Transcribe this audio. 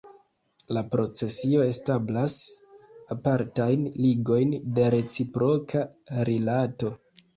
La procesio establas apartajn ligojn de reciproka Rilato.